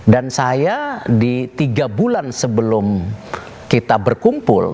dan saya di tiga bulan sebelum kita berkumpul